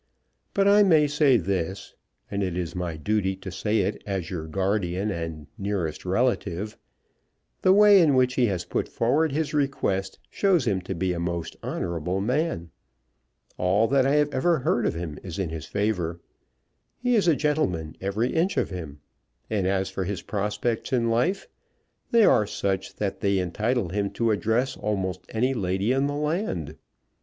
But I may say this, and it is my duty to say it as your guardian and nearest relative; the way in which he has put forward his request shows him to be a most honourable man; all that I have ever heard of him is in his favour; he is a gentleman every inch of him; and as for his prospects in life, they are such that they entitle him to address almost any lady in the land.